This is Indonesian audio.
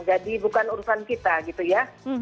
jadi bukan urusan kita gitu ya